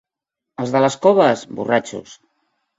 Els de les Coves, borratxos.